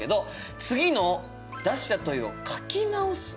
次の「出した問いを書き直す」。